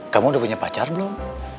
kamu udah punya pacar belum